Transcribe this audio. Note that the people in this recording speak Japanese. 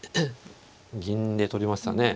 銀で取りましたね。